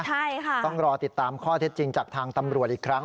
ใช่ค่ะต้องรอติดตามข้อเท็จจริงจากทางตำรวจอีกครั้ง